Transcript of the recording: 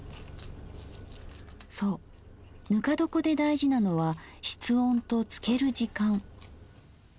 そうぬか床で大事なのは室温と漬ける時間。